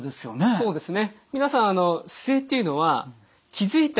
そうですね。